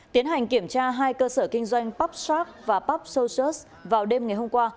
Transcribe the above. tiến hành kiểm tra hai cơ sở kinh doanh pop shark và pop socials vào đêm ngày hôm qua